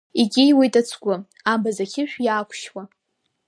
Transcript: Икьиуеит ацгәы, абз ақьышә иаақәшьуа.